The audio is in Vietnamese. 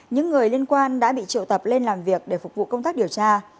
những người liên quan đã bị triệu tập lên làm việc để phục vụ công tác điều tra